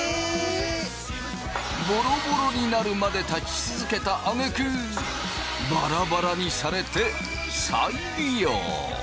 ボロボロになるまで立ち続けたあげくバラバラにされて再利用！